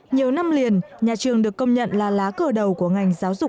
nhiều năm liền nhà trường được công nhận là lá cờ đầu của ngành giáo dục hà nội